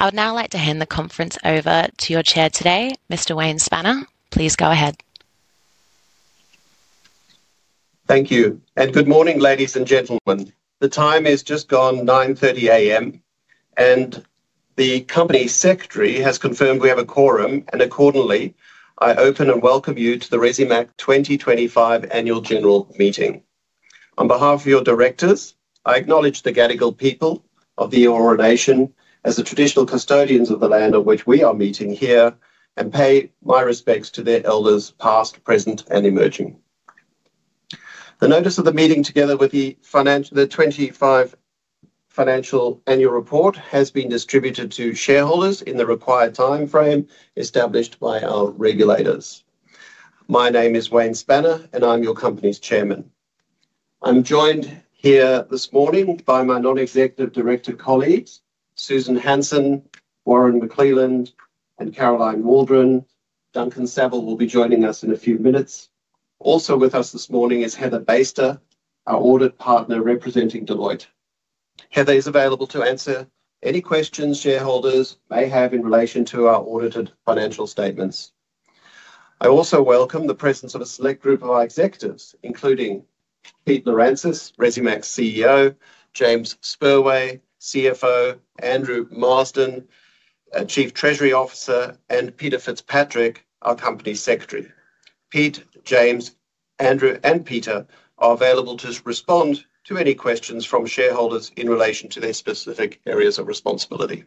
I would now like to hand the conference over to your Chair today, Mr. Wayne Spanner. Please go ahead. Thank you, and good morning, ladies and gentlemen. The time is just gone 9:30 A.M., and the Company Secretary has confirmed we have a quorum, and accordingly I open and welcome you to the Resimac 2025 Annual General Meeting. On behalf of your directors, I acknowledge the Gadigal people of the Eora Nation as the traditional custodians of the land on which we are meeting here, and pay my respects to their elders past, present, and emerging. The notice of the meeting, together with the 2025 financial annual report, has been distributed to shareholders in the required time frame established by our regulators. My name is Wayne Spanner, and I'm your Company's Chairman. I'm joined here this morning by my non-executive director colleagues, Susan Hansen, Warren McLeland, and Caroline Waldron. Duncan Saville will be joining us in a few minutes. Also with us this morning is Heather Baister, our audit partner representing Deloitte. Heather is available to answer any questions shareholders may have in relation to our audited financial statements. I also welcome the presence of a select group of our executives, including Pete Lirantzis, Resimac's CEO, James Spurway, CFO, Andrew Marsden, Chief Treasury Officer, and Peter Fitzpatrick, our Company Secretary. Pete, James, Andrew, and Peter are available to respond to any questions from shareholders in relation to their specific areas of responsibility.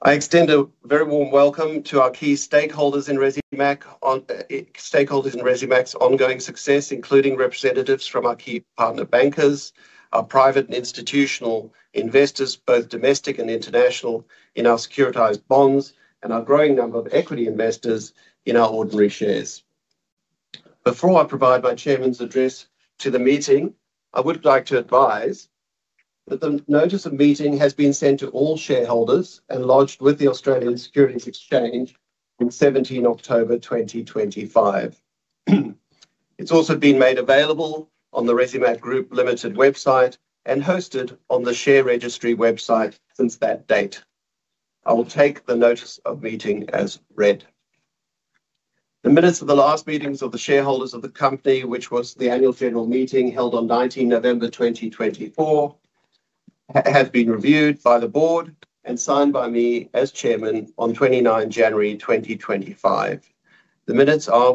I extend a very warm welcome to our key stakeholders in Resimac's ongoing success, including representatives from our key partner bankers, our private and institutional investors, both domestic and international, in our securitized bonds, and our growing number of equity investors in our ordinary shares. Before I provide my Chairman's address to the meeting, I would like to advise that the notice of meeting has been sent to all shareholders and lodged with the Australian Securities Exchange on 17 October 2025. It's also been made available on the Resimac Group Ltd. website and hosted on the share registry website since that date. I will take the notice of meeting as read. The minutes of the last meetings of the shareholders of the Company, which was the Annual General Meeting held on 19 November 2024, have been reviewed by the Board and signed by me as Chairman on 29 January 2025. The minutes are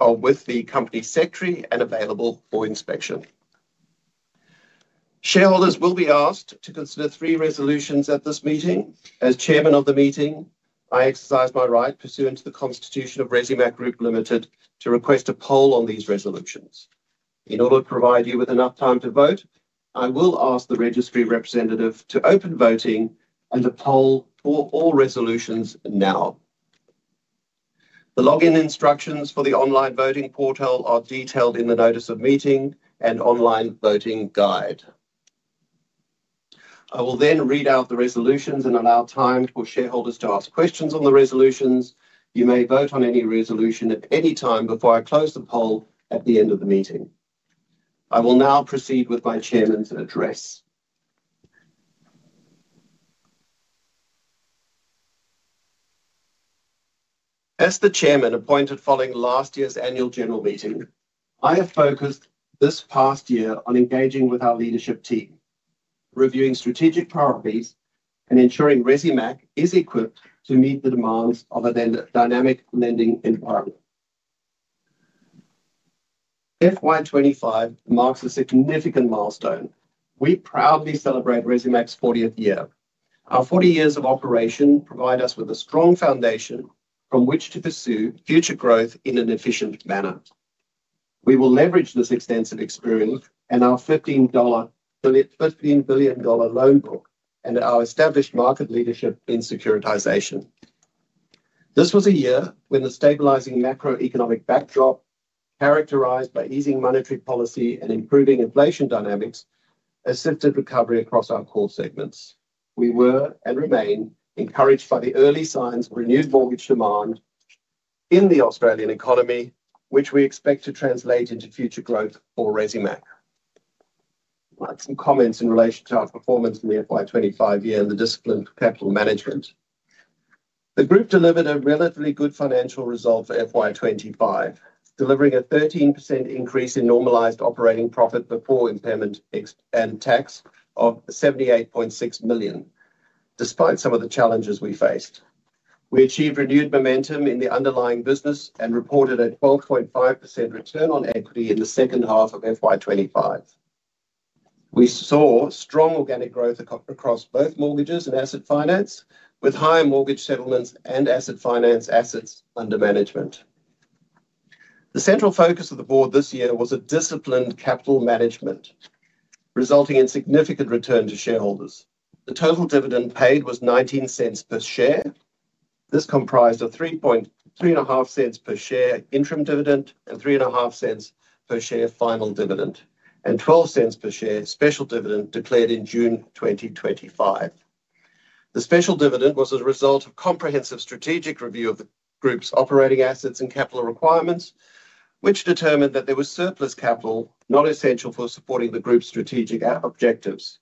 with the Company Secretary and available for inspection. Shareholders will be asked to consider three resolutions at this meeting. As Chairman of the Meeting, I exercise my right pursuant to the Constitution of Resimac Group Ltd to request a poll on these resolutions. In order to provide you with enough time to vote, I will ask the registry representative to open voting and to poll all resolutions now. The login instructions for the online voting portal are detailed in the notice of meeting and online voting guide. I will then read out the resolutions and allow time for shareholders to ask questions on the resolutions. You may vote on any resolution at any time before I close the poll at the end of the meeting. I will now proceed with my Chairman's address. As the Chairman appointed following last year's Annual General Meeting, I have focused this past year on engaging with our leadership team, reviewing strategic priorities, and ensuring Resimac is equipped to meet the demands of a dynamic lending environment. FY25 marks a significant milestone. We proudly celebrate Resimac's 40th year. Our 40 years of operation provide us with a strong foundation from which to pursue future growth in an efficient manner. We will leverage this extensive experience and our 15 billion dollar loan book and our established market leadership in securitization. This was a year when the stabilizing macroeconomic backdrop, characterized by easing monetary policy and improving inflation dynamics, assisted recovery across our core segments. We were and remain encouraged by the early signs of renewed mortgage demand in the Australian economy, which we expect to translate into future growth for Resimac. I'd like some comments in relation to our performance in the FY25 year and the discipline of capital management. The Group delivered a relatively good financial result for FY25, delivering a 13% increase in normalized operating profit before impairment and tax of 78.6 million, despite some of the challenges we faced. We achieved renewed momentum in the underlying business and reported a 12.5% return on equity in the second half of FY25. We saw strong organic growth across both mortgages and asset finance, with higher mortgage settlements and asset finance assets under management. The central focus of the Board this year was a disciplined capital management, resulting in significant return to shareholders. The total dividend paid was 0.19 per share. This comprised a 0.035 per share interim dividend and 0.035 per share final dividend, and 0.12 per share special dividend declared in June 2025. The special dividend was a result of comprehensive strategic review of the Group's operating assets and capital requirements, which determined that there was surplus capital not essential for supporting the Group's strategic objectives.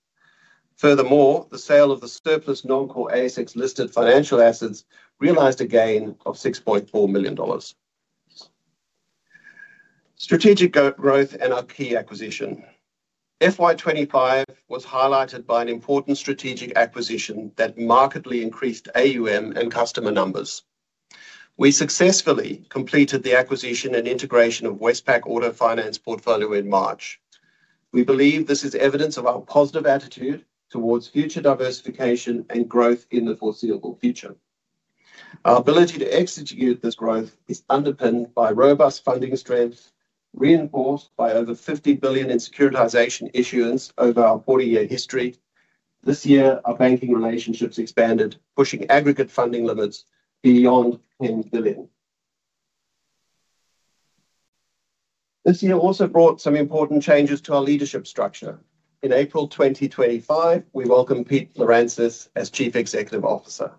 Furthermore, the sale of the surplus non-core ASX-listed financial assets realized a gain of 6.4 million dollars. Strategic growth and our key acquisition. FY25 was highlighted by an important strategic acquisition that markedly increased AUM and customer numbers. We successfully completed the acquisition and integration of the Westpac Auto Finance Portfolio in March. We believe this is evidence of our positive attitude towards future diversification and growth in the foreseeable future. Our ability to execute this growth is underpinned by robust funding strength, reinforced by over 50 billion in securitization issuance over our 40-year history. This year, our banking relationships expanded, pushing aggregate funding limits beyond 10 billion. This year also brought some important changes to our leadership structure. In April 2025, we welcome Pete Lirantzis as Chief Executive Officer.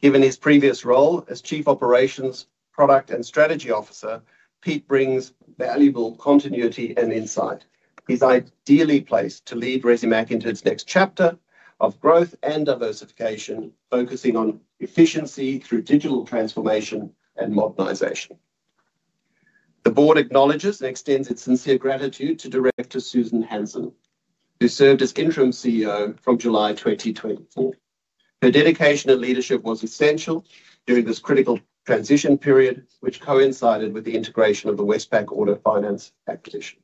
Given his previous role as Chief Operations, Product, and Strategy Officer, Pete brings valuable continuity and insight. He's ideally placed to lead Resimac into its next chapter of growth and diversification, focusing on efficiency through digital transformation and modernization. The Board acknowledges and extends its sincere gratitude to Director Susan Hansen, who served as Interim CEO from July 2024. Her dedication and leadership were essential during this critical transition period, which coincided with the integration of the Westpac Auto Finance acquisition.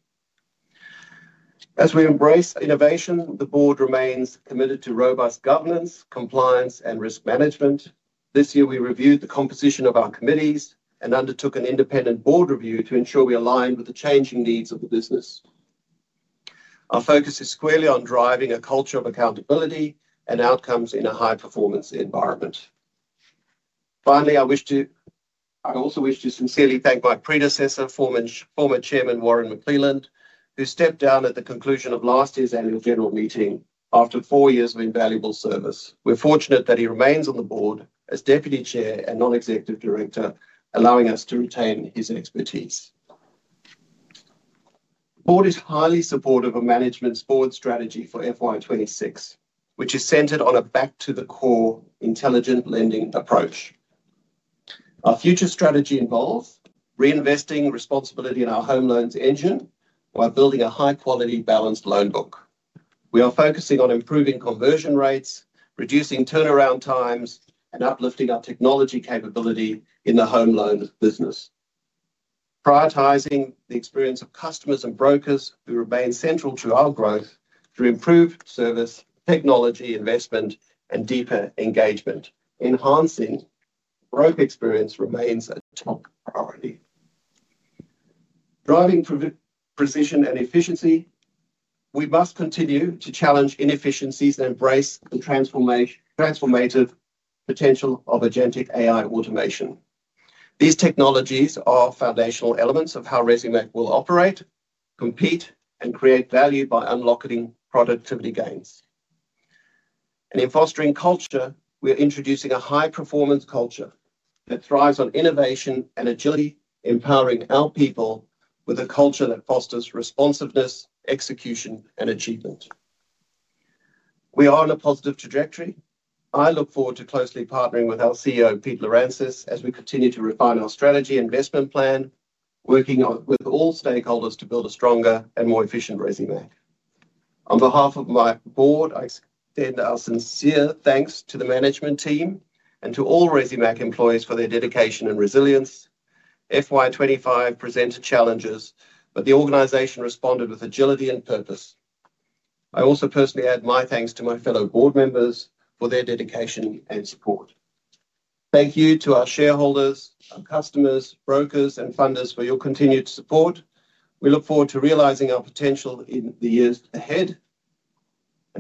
As we embrace innovation, the Board remains committed to robust governance, compliance, and risk management. This year, we reviewed the composition of our committees and undertook an independent board review to ensure we aligned with the changing needs of the business. Our focus is squarely on driving a culture of accountability and outcomes in a high-performance environment. Finally, I also wish to sincerely thank my predecessor, former Chairman Warren McLeland, who stepped down at the conclusion of last year's Annual General Meeting after four years of invaluable service. We're fortunate that he remains on the Board as Deputy Chair and non-executive director, allowing us to retain his expertise. The Board is highly supportive of management's board strategy for FY26, which is centered on a back-to-the-core, intelligent lending approach. Our future strategy involves reinvesting responsibility in our home loans engine while building a high-quality, balanced loan book. We are focusing on improving conversion rates, reducing turnaround times, and uplifting our technology capability in the home loan business, prioritizing the experience of customers and brokers who remain central to our growth through improved service, technology investment, and deeper engagement. Enhancing broker experience remains a top priority. Driving precision and efficiency, we must continue to challenge inefficiencies and embrace the transformative potential of agentic AI automation. These technologies are foundational elements of how Resimac will operate, compete, and create value by unlocking productivity gains. In fostering culture, we're introducing a high-performance culture that thrives on innovation and agility, empowering our people with a culture that fosters responsiveness, execution, and achievement. We are on a positive trajectory. I look forward to closely partnering with our CEO, Pete Lirantzis, as we continue to refine our strategy investment plan, working with all stakeholders to build a stronger and more efficient Resimac. On behalf of my Board, I extend our sincere thanks to the management team and to all Resimac employees for their dedication and resilience. FY25 presented challenges, but the organization responded with agility and purpose. I also personally add my thanks to my fellow Board members for their dedication and support. Thank you to our shareholders, our customers, brokers, and funders for your continfued support. We look forward to realizing our potential in the years ahead.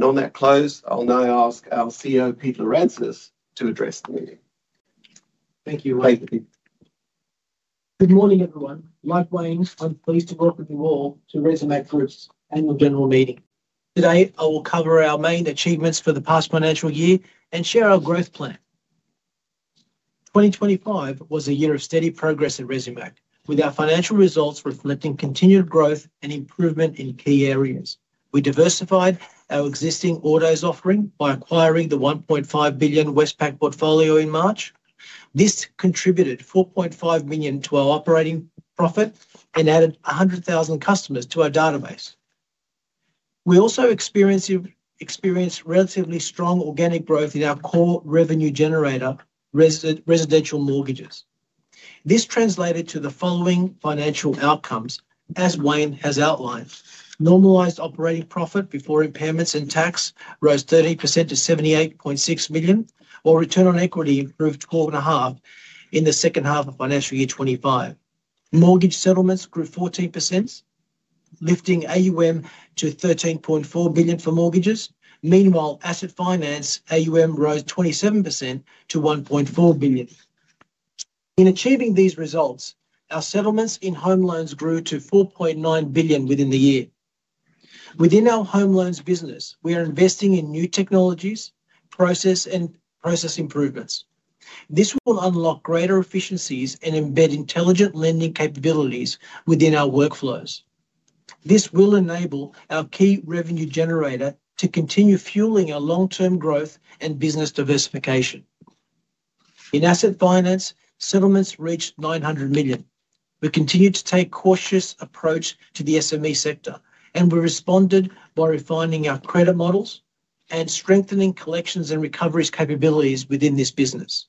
On that close, I'll now ask our CEO, Pete Lirantzis, to address the meeting. Thank you, Wayne. Good morning, everyone. Like Wayne, I'm pleased to welcome you all to Resimac Group's Annual General Meeting. Today, I will cover our main achievements for the past financial year and share our growth plan. 2025 was a year of steady progress at Resimac, with our financial results reflecting continued growth and improvement in key areas. We diversified our existing autos offering by acquiring the 1.5 billion Westpac portfolio in March. This contributed 4.5 million to our operating profit and added 100,000 customers to our database. We also experienced relatively strong organic growth in our core revenue generator, residential mortgages. This translated to the following financial outcomes, as Wayne has outlined. Normalized operating profit before impairments and tax rose 30% to 78.6 million, while return on equity improved 12.5 million in the second half of financial year 2025. Mortgage settlements grew 14%, lifting AUM to 13.4 billion for mortgages. Meanwhile, asset finance AUM rose 27% to 1.4 billion. In achieving these results, our settlements in home loans grew to 4.9 billion within the year. Within our home loans business, we are investing in new technologies, process, and process improvements. This will unlock greater efficiencies and embed intelligent lending capabilities within our workflows. This will enable our key revenue generator to continue fueling our long-term growth and business diversification. In asset finance, settlements reached 900 million. We continue to take a cautious approach to the SME sector, and we responded by refining our credit models and strengthening collections and recoveries capabilities within this business.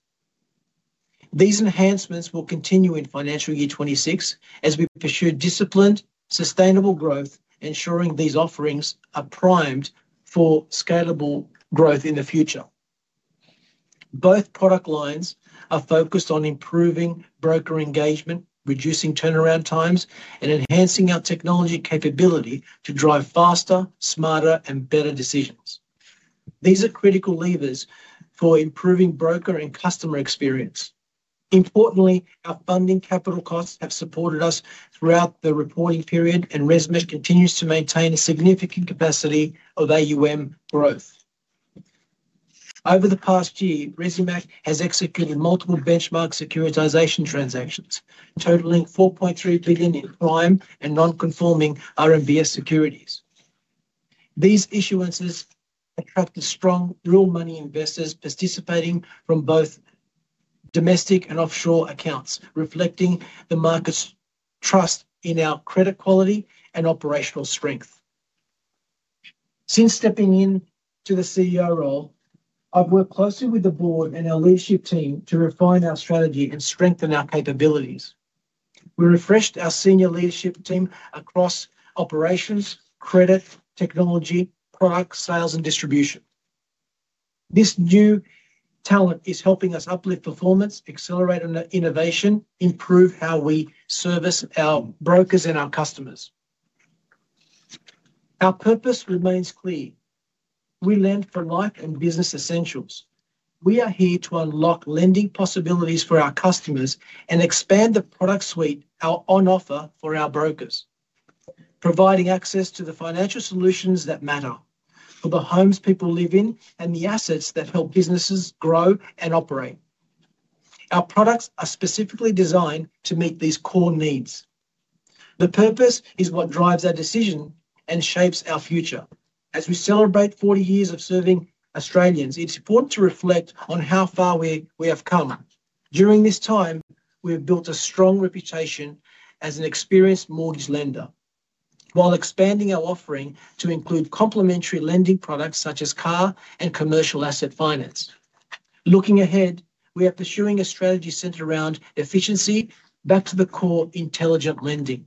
These enhancements will continue in financial year 2026 as we pursue disciplined, sustainable growth, ensuring these offerings are primed for scalable growth in the future. Both product lines are focused on improving broker engagement, reducing turnaround times, and enhancing our technology capability to drive faster, smarter, and better decisions. These are critical levers for improving broker and customer experience. Importantly, our funding capital costs have supported us throughout the reporting period, and Resimac continues to maintain a significant capacity of AUM growth. Over the past year, Resimac has executed multiple benchmark securitization transactions, totaling 4.3 billion in prime and non-conforming RMBS securities. These issuances attracted strong real money investors participating from both domestic and offshore accounts, reflecting the market's trust in our credit quality and operational strength. Since stepping into the CEO role, I've worked closely with the Board and our leadership team to refine our strategy and strengthen our capabilities. We refreshed our senior leadership team across operations, credit, technology, product, sales, and distribution. This new talent is helping us uplift performance, accelerate innovation, and improve how we service our brokers and our customers. Our purpose remains clear. We lend for life and business essentials. We are here to unlock lending possibilities for our customers and expand the product suite on offer for our brokers, providing access to the financial solutions that matter for the homes people live in and the assets that help businesses grow and operate. Our products are specifically designed to meet these core needs. The purpose is what drives our decision and shapes our future. As we celebrate 40 years of serving Australians, it's important to reflect on how far we have come. During this time, we have built a strong reputation as an experienced mortgage lender while expanding our offering to include complementary lending products such as car and commercial asset finance. Looking ahead, we are pursuing a strategy centered around efficiency, back-to-the-core, intelligent lending.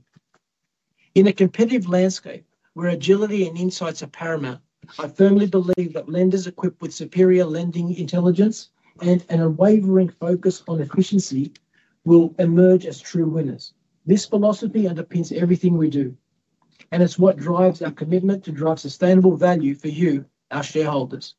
In a competitive landscape where agility and insights are paramount, I firmly believe that lenders equipped with superior lending intelligence and an unwavering focus on efficiency will emerge as true winners. This philosophy underpins everything we do, and it's what drives our commitment to drive sustainable value for you, our shareholders.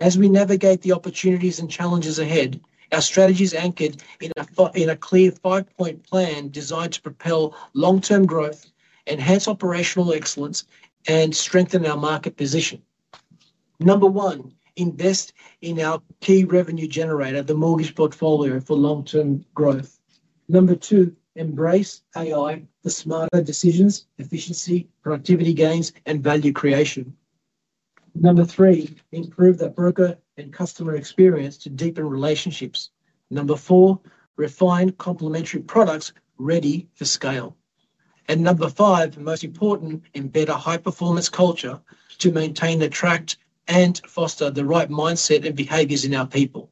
As we navigate the opportunities and challenges ahead, our strategy is anchored in a clear five-point plan designed to propel long-term growth, enhance operational excellence, and strengthen our market position. Number one, invest in our key revenue generator, the mortgage portfolio, for long-term growth. Number two, embrace AI for smarter decisions, efficiency, productivity gains, and value creation. Number three, improve the broker and customer experience to deepen relationships. Number four, refine complementary products ready for scale. Number five, most important, embed a high-performance culture to maintain the tract and foster the right mindset and behaviors in our people.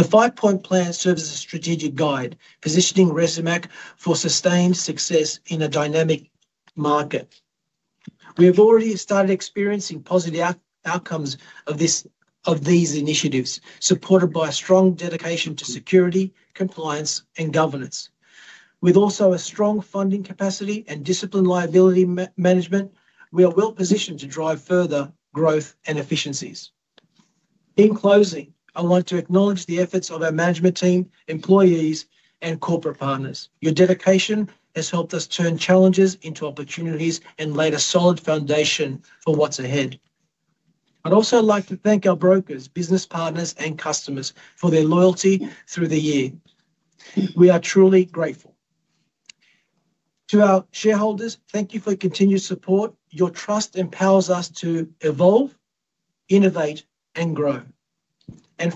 The five-point plan serves as a strategic guide, positioning Resimac for sustained success in a dynamic market. We have already started experiencing positive outcomes of these initiatives, supported by a strong dedication to security, compliance, and governance. With also a strong funding capacity and disciplined liability management, we are well positioned to drive further growth and efficiencies. In closing, I'd like to acknowledge the efforts of our management team, employees, and corporate partners. Your dedication has helped us turn challenges into opportunities and laid a solid foundation for what's ahead. I'd also like to thank our brokers, business partners, and customers for their loyalty through the year. We are truly grateful. To our shareholders, thank you for continued support. Your trust empowers us to evolve, innovate, and grow. I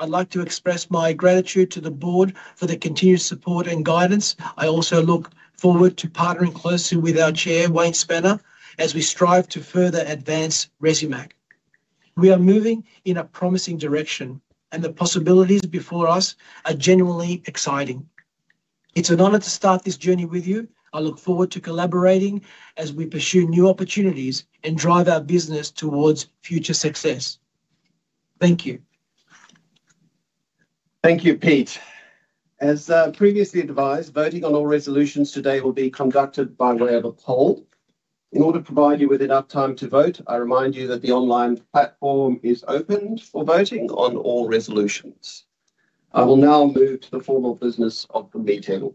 would like to express my gratitude to the Board for the continued support and guidance. I also look forward to partnering closely with our Chair, Wayne Spanner, as we strive to further advance Resimac. We are moving in a promising direction, and the possibilities before us are genuinely exciting. It is an honor to start this journey with you. I look forward to collaborating as we pursue new opportunities and drive our business towards future success. Thank you. Thank you, Pete. As previously advised, voting on all resolutions today will be conducted by way of a poll. In order to provide you with enough time to vote, I remind you that the online platform is open for voting on all resolutions. I will now move to the formal business of the meeting.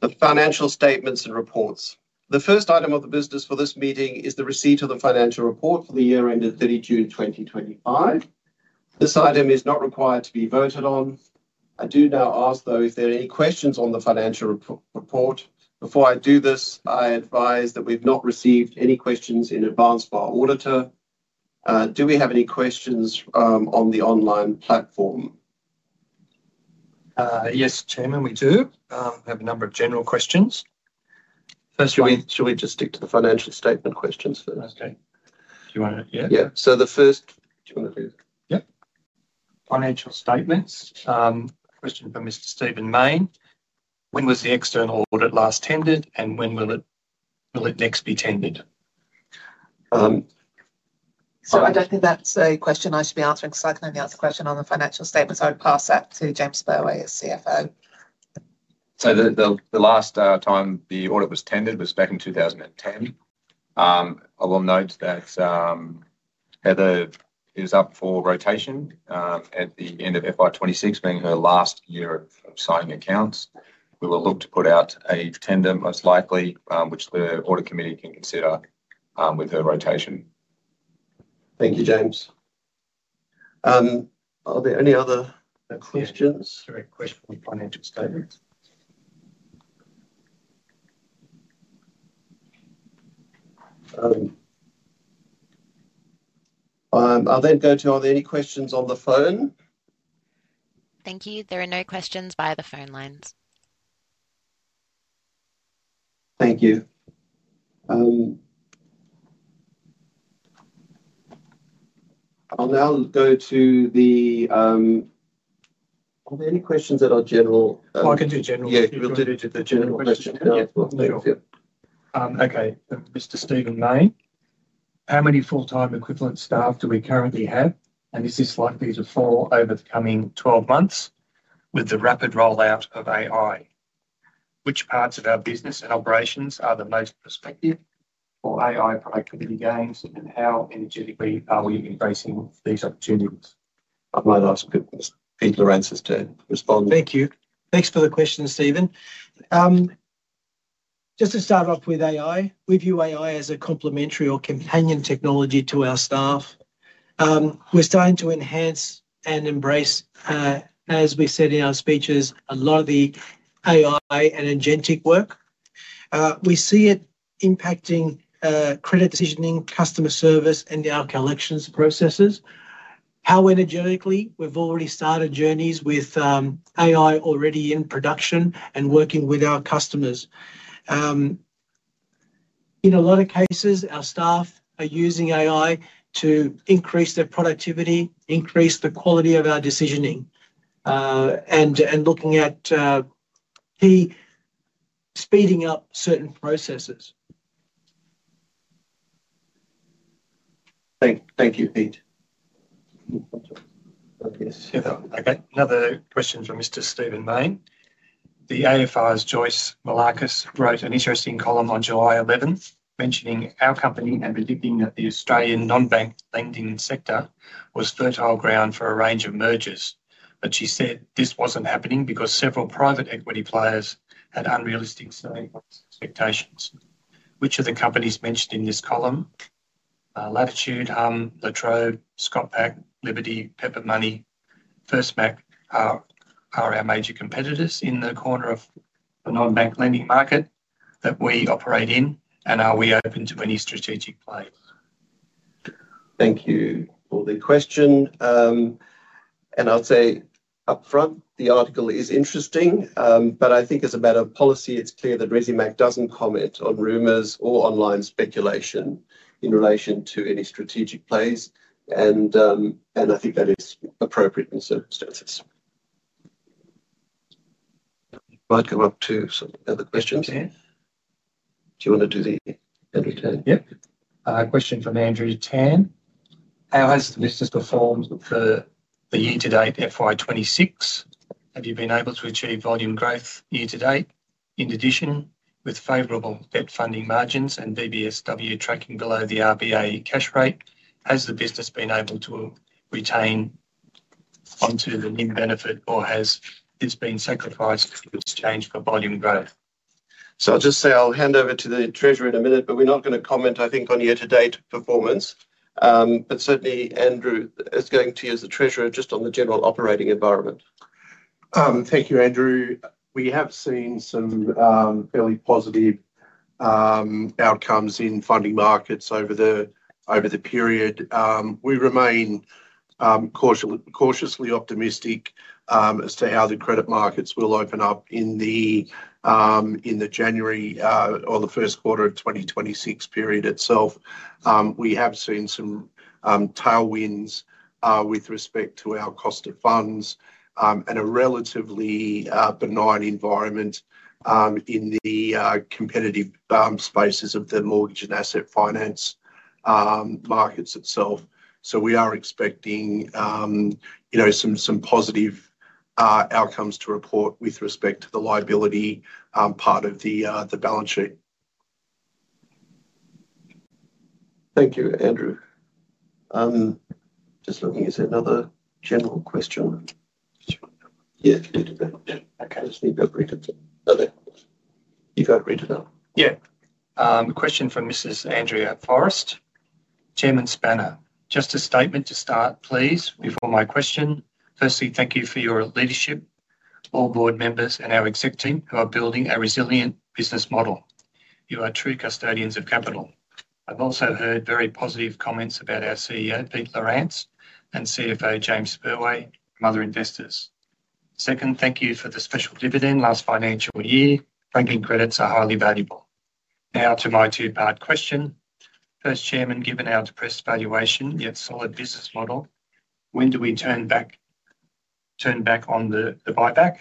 The financial statements and reports. The first item of the business for this meeting is the receipt of the financial report for the year ended 30 June 2025. This item is not required to be voted on. I do now ask, though, if there are any questions on the financial report. Before I do this, I advise that we've not received any questions in advance by our auditor. Do we have any questions on the online platform? Yes, Chairman, we do. We have a number of general questions. Should we just stick to the financial statement questions first? Okay. Do you want to? Yeah. Yeah. So the first. Do you want to do? Yeah. Financial statements. Question for Mr. Stephen Main. When was the external audit last tendered, and when will it next be tendered? I do not think that is a question I should be answering because I can only answer questions on the financial statements. I would pass that to James Spurway, CFO. The last time the audit was tendered was back in 2010. I will note that Heather is up for rotation at the end of FY26, being her last year of signing accounts. We will look to put out a tender, most likely, which the audit committee can consider with her rotation. Thank you, James. Are there any other questions? Yes. Sorry, question on the financial statements. I'll then go to, are there any questions on the phone? Thank you. There are no questions via the phone lines. Thank you. I'll now go to the, are there any questions at our general? I can do general. Yeah, we'll do the general question. Okay. Mr. Stephen Main. How many full-time equivalent staff do we currently have? Is this likely to fall over the coming 12 months with the rapid rollout of AI? Which parts of our business and operations are the most prospective for AI productivity gains, and how energetically are we embracing these opportunities? I'd like to ask Pete Lirantzis to respond. Thank you. Thanks for the question, Stephen. Just to start off with AI, we view AI as a complementary or companion technology to our staff. We're starting to enhance and embrace, as we said in our speeches, a lot of the AI and agentic work. We see it impacting credit decisioning, customer service, and our collections processes. How energetically, we've already started journeys with AI already in production and working with our customers. In a lot of cases, our staff are using AI to increase their productivity, increase the quality of our decisioning, and looking at speeding up certain processes. Thank you, Pete. Okay. Another question from Mr. Stephen Main. The AFR's Joyce Malarkus wrote an interesting column on July 11th, mentioning our company and predicting that the Australian non-bank lending sector was fertile ground for a range of mergers. She said this was not happening because several private equity players had unrealistic selling expectations. Which of the companies mentioned in this column—Latitude Financial, Liberty Financial, Pepper Money, Firstmac—are our major competitors in the corner of the non-bank lending market that we operate in, and are we open to any strategic play? Thank you for the question. I'll say upfront, the article is interesting, but I think as a matter of policy, it's clear that Resimac doesn't comment on rumors or online speculation in relation to any strategic plays. I think that is appropriate in circumstances. Might come up to some other questions. Do you want to do the Andrew Tan? Yep. Question from Andrew Tan. How has the business performed for year to date FY26? Have you been able to achieve volume growth year to date? In addition, with favorable debt funding margins and BBSW tracking below the RBA cash rate, has the business been able to retain onto the new benefit, or has this been sacrificed to exchange for volume growth? I'll just say I'll hand over to the Treasurer in a minute, but we're not going to comment, I think, on year to date performance. Certainly, Andrew, it's going to you as the Treasurer just on the general operating environment. Thank you, Andrew. We have seen some fairly positive outcomes in funding markets over the period. We remain cautiously optimistic as to how the credit markets will open up in the January or the first quarter of 2026 period itself. We have seen some tailwinds with respect to our cost of funds and a relatively benign environment in the competitive spaces of the mortgage and asset finance markets itself. We are expecting some positive outcomes to report with respect to the liability part of the balance sheet. Thank you, Andrew. Just looking at another general question. Yeah, you've got it. You've got it written up. Yeah. Question from Mrs. Andrea Forest. Chairman Spanner, just a statement to start, please, before my question. Firstly, thank you for your leadership, all board members, and our exec team who are building a resilient business model. You are true custodians of capital. I've also heard very positive comments about our CEO, Pete Lirantzis, and CFO, James Spurway, and other investors. Second, thank you for the special dividend last financial year. Franking credits are highly valuable. Now to my two-part question. First, Chairman, given our depressed valuation, yet solid business model, when do we turn back on the buyback?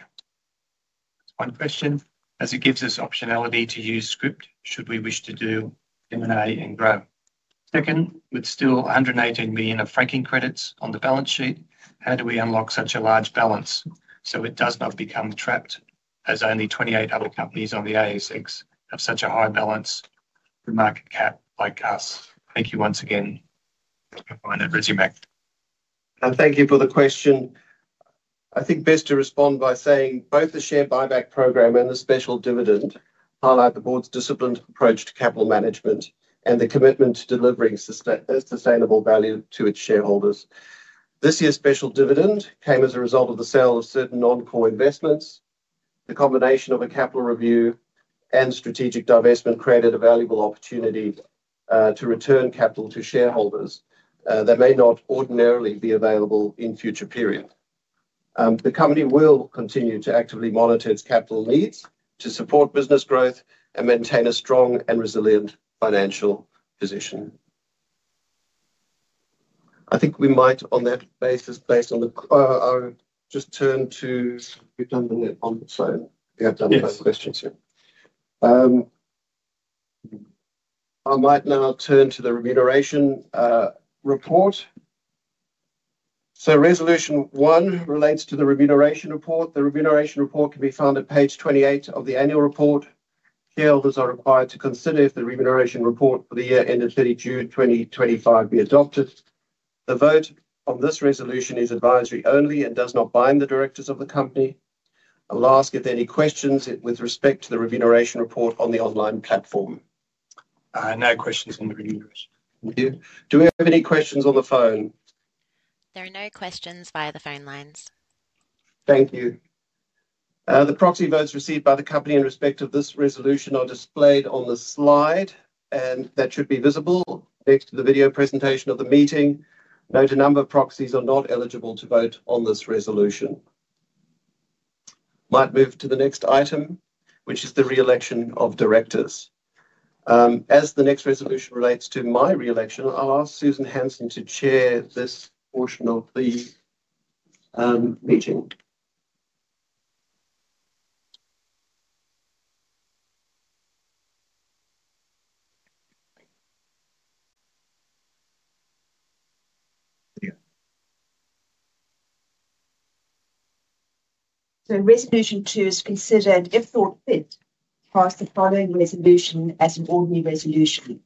One question. As it gives us optionality to use script, should we wish to do M&A and grow? Second, with still 118 million of franking credits on the balance sheet, how do we unlock such a large balance so it does not become trapped, as only 28 other companies on the ASX have such a high balance for market cap like us? Thank you once again for finding Resimac. Thank you for the question. I think best to respond by saying both the share buyback program and the special dividend highlight the board's disciplined approach to capital management and the commitment to delivering sustainable value to its shareholders. This year's special dividend came as a result of the sale of certain non-core investments. The combination of a capital review and strategic divestment created a valuable opportunity to return capital to shareholders that may not ordinarily be available in future periods. The company will continue to actively monitor its capital needs to support business growth and maintain a strong and resilient financial position. I think we might, on that basis, based on the I'll just turn to we've done the net on the phone. I think I've done both questions here. I might now turn to the remuneration report. So Resolution 1 relates to the remuneration report. The remuneration report can be found at page 28 of the annual report. Shareholders are required to consider if the remuneration report for the year ended 30 June 2025 be adopted. The vote on this resolution is advisory only and does not bind the directors of the company. I'll ask if there are any questions with respect to the remuneration report on the online platform. No questions on the remuneration. Thank you. Do we have any questions on the phone? There are no questions via the phone lines. Thank you. The proxy votes received by the company in respect of this resolution are displayed on the slide, and that should be visible next to the video presentation of the meeting. Note a number of proxies are not eligible to vote on this resolution. Might move to the next item, which is the reelection of directors. As the next resolution relates to my reelection, I'll ask Susan Hansen to chair this portion of the meeting. Resolution 2 is considered if thought fit as the following resolution as an ordinary resolution.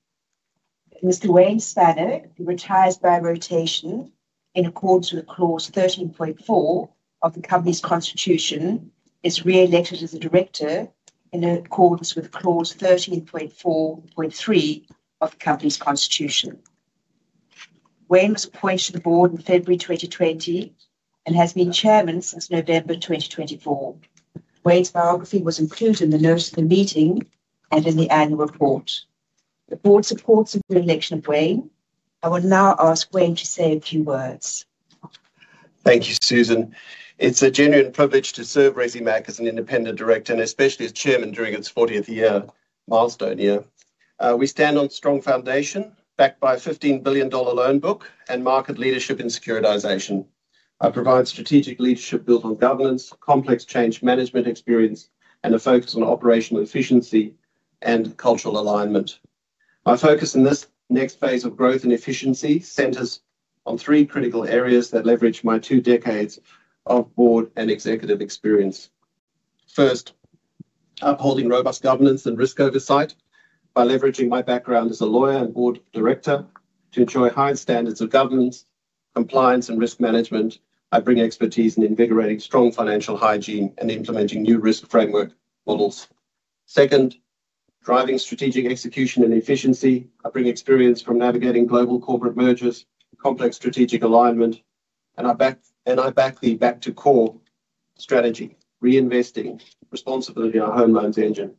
Mr. Wayne Spanner, who retires by rotation in accordance with clause 13.4 of the company's constitution, is re-elected as a director in accordance with clause 13.4.3 of the company's constitution. Wayne was appointed to the board in February 2020 and has been chairman since November 2024. Wayne's biography was included in the notes of the meeting and in the annual report. The board supports the re-election of Wayne. I will now ask Wayne to say a few words. Thank you, Susan. It's a genuine privilege to serve Resimac as an independent director and especially as Chairman during its 40th year milestone year. We stand on strong foundation backed by an 15 billion dollar loan book and market leadership in securitization. I provide strategic leadership built on governance, complex change management experience, and a focus on operational efficiency and cultural alignment. My focus in this next phase of growth and efficiency centers on three critical areas that leverage my two decades of board and executive experience. First, upholding robust governance and risk oversight by leveraging my background as a lawyer and board director to ensure high standards of governance, compliance, and risk management. I bring expertise in invigorating strong financial hygiene and implementing new risk framework models. Second, driving strategic execution and efficiency. I bring experience from navigating global corporate mergers, complex strategic alignment, and I back the back-to-core strategy, reinvesting responsibly in our home loans engine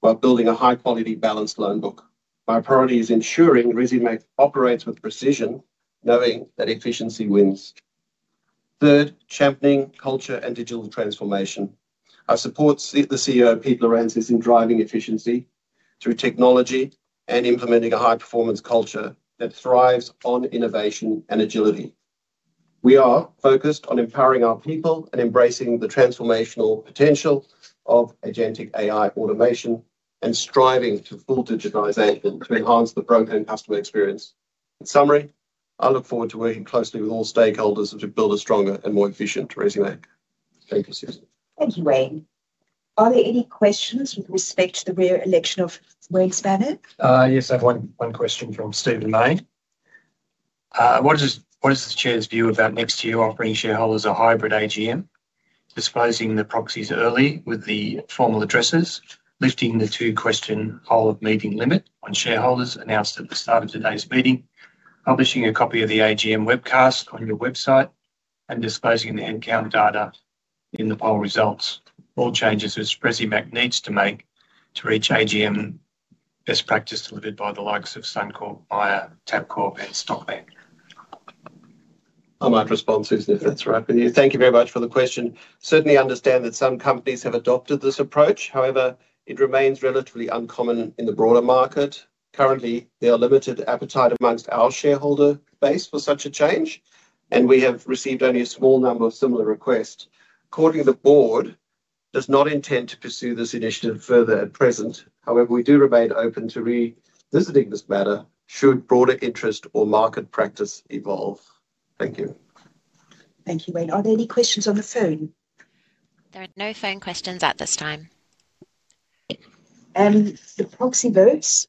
while building a high-quality balanced loan book. My priority is ensuring Resimac operates with precision, knowing that efficiency wins. Third, championing culture and digital transformation. I support the CEO, Pete Lirantzis, in driving efficiency through technology and implementing a high-performance culture that thrives on innovation and agility. We are focused on empowering our people and embracing the transformational potential of agentic AI automation and striving to full digitization to enhance the broken customer experience. In summary, I look forward to working closely with all stakeholders to build a stronger and more efficient Resimac. Thank you, Susan. Thank you, Wayne. Are there any questions with respect to the re-election of Wayne Spanner? Yes, I have one question from Stephen Main. What is the chair's view about next year offering shareholders a hybrid AGM, disclosing the proxies early with the formal addresses, lifting the two-question whole-of-meeting limit on shareholders announced at the start of today's meeting, publishing a copy of the AGM webcast on your website, and disclosing the end count data in the poll results? All changes as Resimac needs to make to reach AGM best practice delivered by the likes of Suncorp, Myer, TABCORP, and Stockland? I might respond, Susan, if that's all right with you. Thank you very much for the question. Certainly understand that some companies have adopted this approach. However, it remains relatively uncommon in the broader market. Currently, there is limited appetite amongst our shareholder base for such a change, and we have received only a small number of similar requests. Accordingly, the board does not intend to pursue this initiative further at present. However, we do remain open to revisiting this matter should broader interest or market practice evolve. Thank you. Thank you, Wayne. Are there any questions on the phone? There are no phone questions at this time. The proxy votes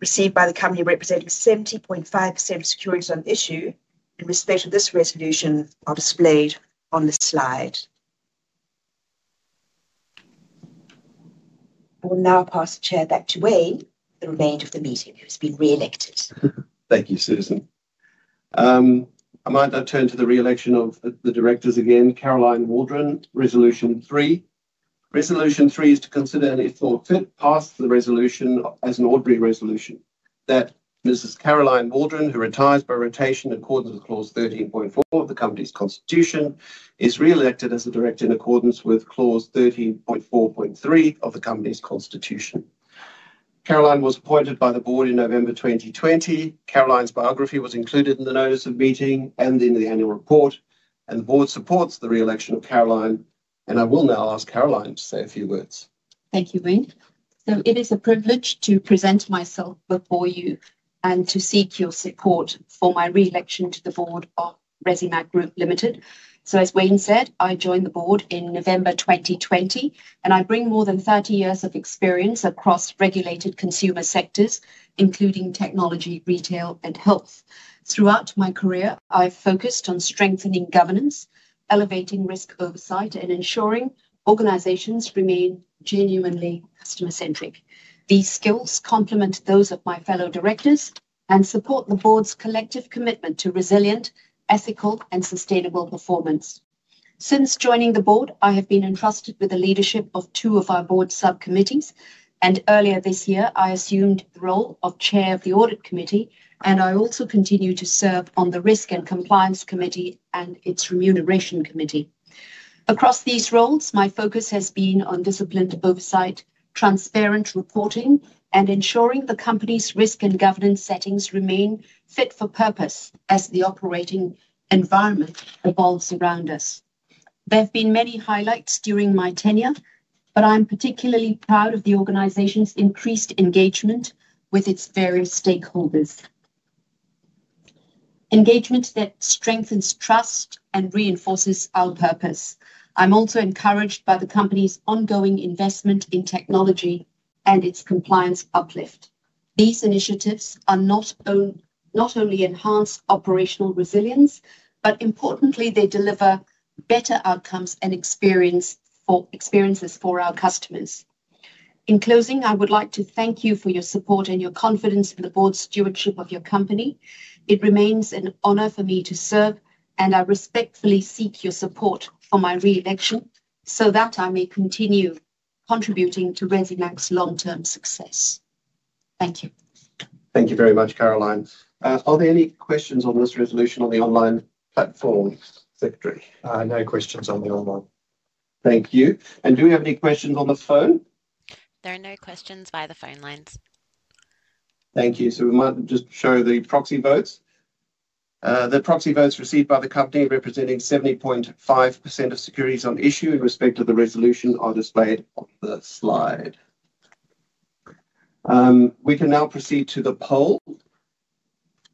received by the company representing 70.5% of securities on issue in respect of this resolution are displayed on the slide. I will now pass the chair back to Wayne for the remainder of the meeting. He has been re-elected. Thank you, Susan. I might now turn to the re-election of the directors again. Caroline Waldron, Resolution 3. Resolution 3 is to consider and, if thought fit, pass the resolution as an ordinary resolution that Mrs. Caroline Waldron, who retires by rotation in accordance with clause 13.4 of the company's constitution, is re-elected as a director in accordance with clause 13.4.3 of the company's constitution. Caroline was appointed by the board in November 2020. Caroline's biography was included in the notice of meeting and in the annual report, and the board supports the re-election of Caroline. I will now ask Caroline to say a few words. Thank you, Wayne. It is a privilege to present myself before you and to seek your support for my re-election to the board of Resimac Group Limited. As Wayne said, I joined the board in November 2020, and I bring more than 30 years of experience across regulated consumer sectors, including technology, retail, and health. Throughout my career, I've focused on strengthening governance, elevating risk oversight, and ensuring organizations remain genuinely customer-centric. These skills complement those of my fellow directors and support the board's collective commitment to resilient, ethical, and sustainable performance. Since joining the board, I have been entrusted with the leadership of two of our board subcommittees, and earlier this year, I assumed the role of Chair of the Audit Committee, and I also continue to serve on the Risk and Compliance Committee and its Remuneration Committee. Across these roles, my focus has been on disciplined oversight, transparent reporting, and ensuring the company's risk and governance settings remain fit for purpose as the operating environment evolves around us. There have been many highlights during my tenure, but I'm particularly proud of the organization's increased engagement with its various stakeholders. Engagement that strengthens trust and reinforces our purpose. I'm also encouraged by the company's ongoing investment in technology and its compliance uplift. These initiatives not only enhance operational resilience, but importantly, they deliver better outcomes and experiences for our customers. In closing, I would like to thank you for your support and your confidence in the board stewardship of your company. It remains an honor for me to serve, and I respectfully seek your support for my re-election so that I may continue contributing to Resimac's long-term success. Thank you. Thank you very much, Caroline. Are there any questions on this resolution on the online platform, Secretary? No questions on the online. Thank you. Do we have any questions on the phone? There are no questions via the phone lines. Thank you. We might just show the proxy votes. The proxy votes received by the company representing 70.5% of securities on issue in respect of the resolution are displayed on the slide. We can now proceed to the poll.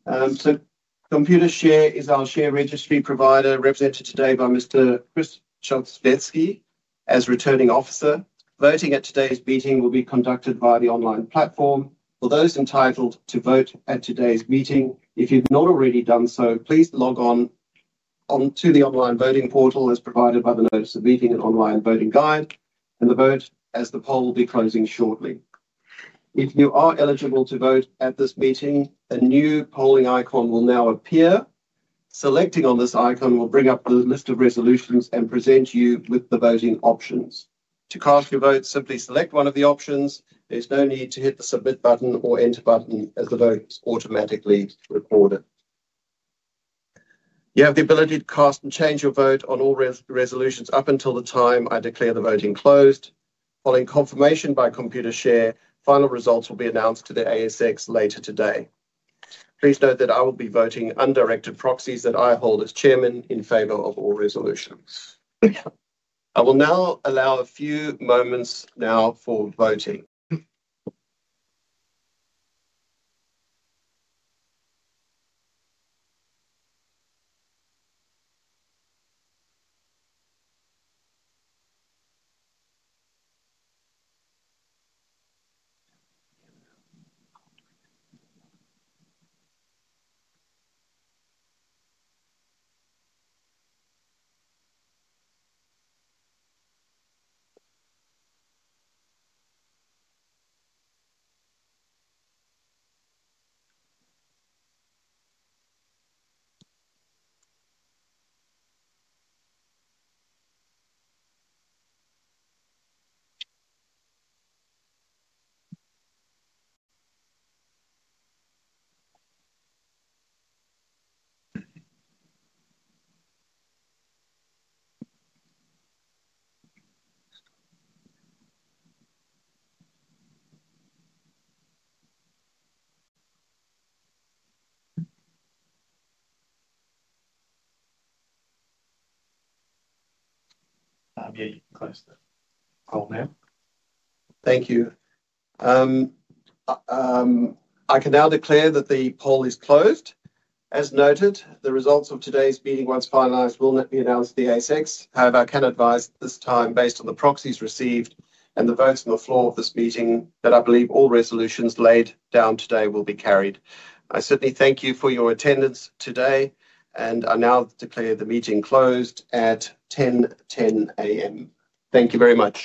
Computershare is our share registry provider represented today by Mr. Chris Scholtz-Betsky as returning officer. Voting at today's meeting will be conducted via the online platform. For those entitled to vote at today's meeting, if you have not already done so, please log on to the online voting portal as provided by the notice of meeting and online voting guide, and vote as the poll will be closing shortly. If you are eligible to vote at this meeting, a new polling icon will now appear. Selecting this icon will bring up the list of resolutions and present you with the voting options. To cast your vote, simply select one of the options. There's no need to hit the submit button or enter button as the vote is automatically recorded. You have the ability to cast and change your vote on all resolutions up until the time I declare the voting closed. Following confirmation by Computershare, final results will be announced to the ASX later today. Please note that I will be voting under active proxies that I hold as Chairman in favor of all resolutions. I will now allow a few moments for voting. I'm going to close the poll now. Thank you. I can now declare that the poll is closed. As noted, the results of today's meeting, once finalized, will not be announced to the ASX. However, I can advise at this time, based on the proxies received and the votes on the floor of this meeting, that I believe all resolutions laid down today will be carried. I certainly thank you for your attendance today and I now declare the meeting closed at 10:10 A.M. Thank you very much.